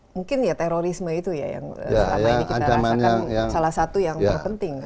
mungkin ya terorisme itu ya yang selama ini kita rasakan salah satu yang terpenting